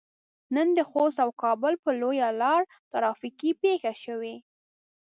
نن د خوست او کابل په لويه لار ترافيکي پېښه شوي.